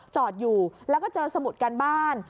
จอดอยู่แล้วก็เจอสมุดการบ้าน